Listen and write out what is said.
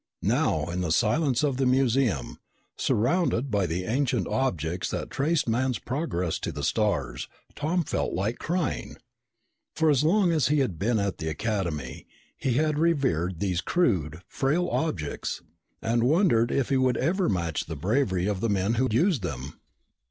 Now, in the silence of the museum, surrounded by the ancient objects that traced man's progress to the stars, Tom felt like crying. For as long as he had been at the Academy, he had revered these crude, frail objects and wondered if he would ever match the bravery of the men who used them.